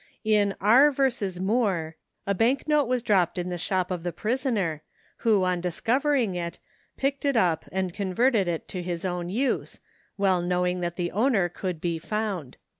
In R. V. Moore ^ a bank note was dropped in the shop of the prisoner, who on discovering it, picked it up and converted it to his own use, well knowing that the owner could be found.